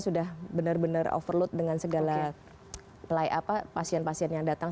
sudah benar benar overload dengan segala pasien pasien yang datang